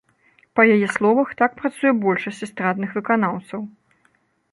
Па яе словах, так працуе большасць эстрадных выканаўцаў.